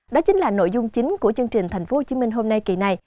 đó chính là nội dung chính của chương trình thành phố hồ chí minh hôm nay kỳ này